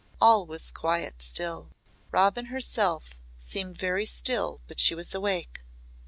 All was quite still. Robin herself seemed very still but she was awake.